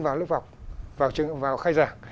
vào lớp học vào khai giảng